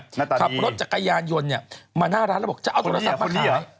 หน้าตาดีขับรถจักรยานยนต์เนี่ยมาหน้าร้านแล้วบอกจะเอาโทรศัพท์มาขายคนนี้หรอ